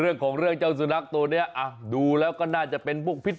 เรื่องของเรื่องเจ้าสุนัขตัวเนี้ยอ่ะดูแล้วก็น่าจะเป็นพวกพิษ